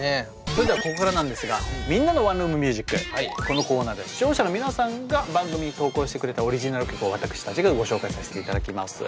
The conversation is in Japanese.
それではここからなんですがこのコーナーでは視聴者の皆さんが番組に投稿してくれたオリジナル曲を私たちがご紹介させていただきます。